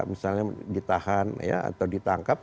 misalnya ditahan atau ditangkap